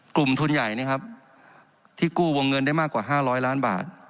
กลุ่มทุนใหญ่นะครับที่กู้วงเงินได้มากกว่า๕๐๐ล้านบาท